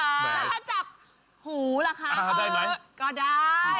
แล้วถ้าจากหูล่ะคะเออก็ได้ได้ไหม